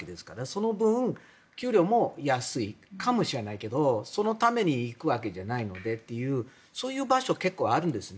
その分給料も安いかもしれないけどそのために行くわけじゃないのでっていうそういう場所は結構あるんです。